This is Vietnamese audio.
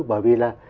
bởi vì là